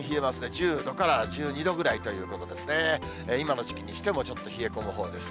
１０度から１２度ぐらいということですね、今の時期にしても、ちょっと冷え込むほうです。